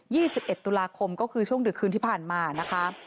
ี่สิบเอ็ดตุลาคมก็คือช่วงดึกคืนที่ผ่านมานะคะ